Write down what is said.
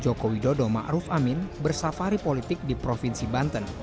jokowi dodo maruf amin bersafari politik di provinsi banten